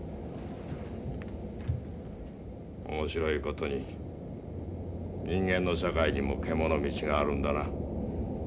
面白い事に人間の社会にもけものみちがあるんだな。